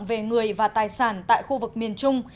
về người và tài sản tại khu vực miền trung